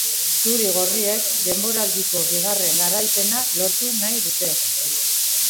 Zuri-gorriek denboraldiko bigarren garaipena lortu nahi dute.